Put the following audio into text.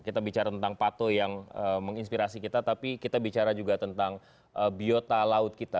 kita bicara tentang pato yang menginspirasi kita tapi kita bicara juga tentang biota laut kita